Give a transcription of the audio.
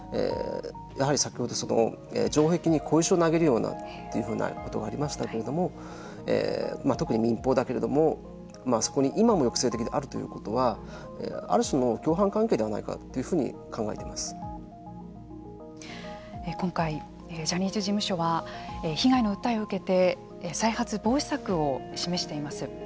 やはり先ほど城壁に小石を投げるというふうなことがありましたけれども特に民放だけれどもそこに今も抑制的であるということはある種の共犯関係ではないかというふうに今回ジャニーズ事務所は被害の訴えを受けて再発防止策を示しています。